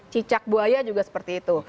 cicak buaya juga seperti itu